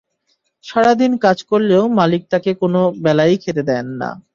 সারা দিন কাজ করলেও মালিক তাকে কোনো বেলায়ই খেতে দেন না।